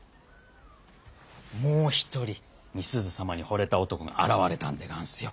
もう一人美鈴様にほれた男が現れたんでがんすよ。